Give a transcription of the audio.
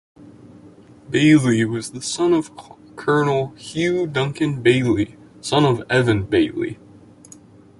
Baillie was the son of Colonel Hugh Duncan Baillie, son of Evan Baillie.